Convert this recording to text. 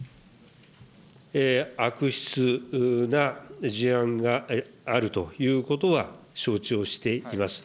悪質な事案があるということは承知をしています。